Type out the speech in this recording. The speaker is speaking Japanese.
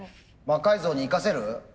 魔改造に生かせる？